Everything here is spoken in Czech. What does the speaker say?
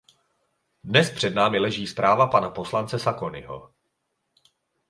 Dnes před námi leží zpráva pana poslance Sacconiho.